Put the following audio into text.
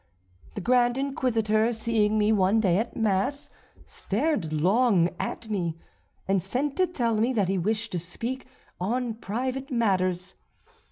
"The Grand Inquisitor, seeing me one day at Mass, stared long at me, and sent to tell me that he wished to speak on private matters.